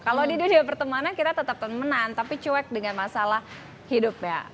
kalau di dunia pertemanan kita tetap temenan tapi cuek dengan masalah hidup ya